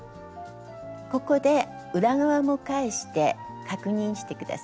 ここで裏側も返して確認して下さい。